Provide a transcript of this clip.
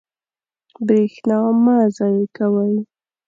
برېښنا مه ضایع کوئ.